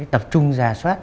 tập trung ra soát